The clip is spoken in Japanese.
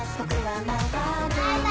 バイバーイ。